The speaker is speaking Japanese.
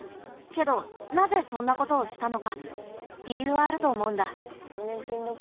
けどなぜそんなことをしたのか理由はあると思うんだ。